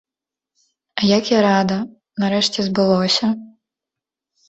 А як я рада, нарэшце збылося!